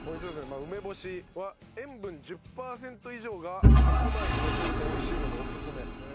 まあ梅干しは塩分１０パーセント以上が白米にのせると美味しいのでオススメみたいですって。